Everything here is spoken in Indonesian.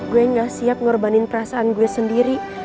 gue gak siap ngorbanin perasaan gue sendiri